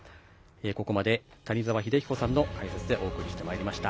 ここまで、谷澤英彦さんの解説でお送りしてまいりました。